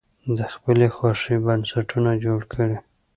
د خپلې خوښې بنسټونه جوړ کړي.